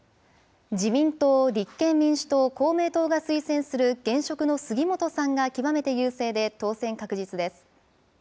自民党、立憲民主党、公明党が推薦する現職の杉本さんが極めて優勢で当選確実です。